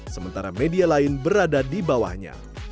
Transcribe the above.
sementara media lain berada di bawahnya